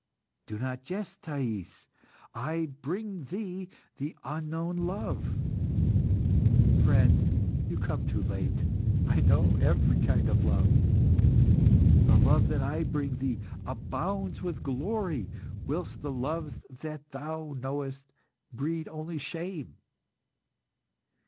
"Do not jest, Thais. I bring thee the unknown love." "Friend, you come too late. I know every kind of love." "The love that I bring thee abounds with glory, whilst the loves that thou knowest breed only shame."